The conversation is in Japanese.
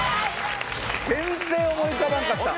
全然思い浮かばんかった。